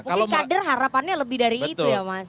kadir harapannya lebih dari itu ya mas